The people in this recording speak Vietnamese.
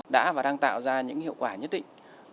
đã và đang tạo ra những hiệu quả nhất định